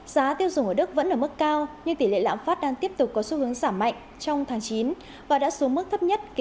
giá tiêu dùng ở đức vẫn ở mức cao nhưng tỷ lệ lãm phát đang tiếp tục có xu hướng giảm mạnh trong tháng chín